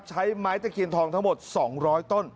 ใช้ไม้ตะเคียนทองทั้งหมด๒๐๐ต้น